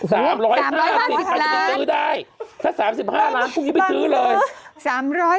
๓๕๐ล้านถ้าไปซื้อได้ถ้า๓๕ล้านมันจะไปซื้อเลย